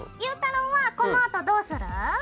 ゆうたろうはこのあとどうする？